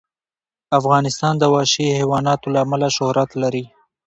افغانستان د وحشي حیواناتو له امله شهرت لري.